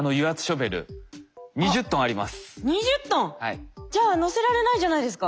２０トン！じゃあ載せられないじゃないですか。